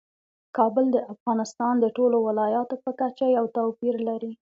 کابل د افغانستان د ټولو ولایاتو په کچه یو توپیر لري.